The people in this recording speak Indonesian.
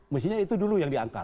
mestinya itu dulu yang diangkat